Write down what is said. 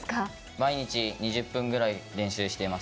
毎日２０分くらい練習しています。